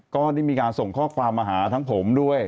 ก็ได้มีการส่งข้อความมาหาทั้งผมด้วย